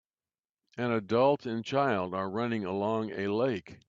An adult and child are running along a lake.